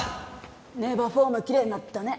ネヴァフォームきれいになったね。